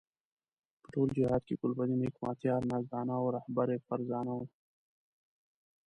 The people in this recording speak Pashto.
په ټول جهاد کې ګلبدین حکمتیار نازدانه او رهبر فرزانه وو.